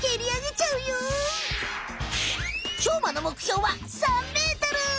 しょうまの目標は３ｍ！